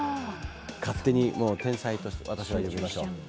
勝手に天才として私は呼びましょう。